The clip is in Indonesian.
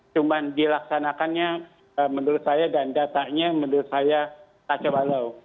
cuman dilaksanakannya menurut saya dan datanya menurut saya tak coba lho